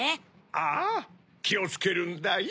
ああきをつけるんだよ。